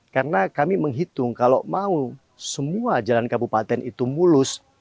karena kami menghitung kalau mau semua jalan kabupaten itu mulus